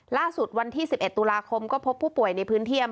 ล่าสุดวันที่๑๑ตุลาคมก็พบผู้ป่วยในพื้นเทียม